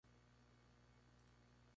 No debutó en Primera División.